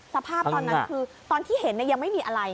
สภาพตอนนั้นคือตอนที่เห็นยังไม่มีอะไร